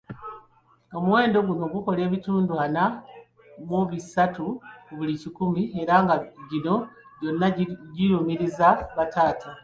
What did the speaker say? Omuwendo guno gukola ebitundu ana mu bisatu ku buli kikumi era nga gino gyonna girumiriza bataata.